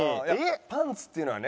パンツっていうのはね